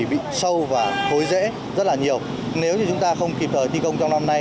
bị sâu và khối rễ rất là nhiều nếu như chúng ta không kịp thời thi công trong năm nay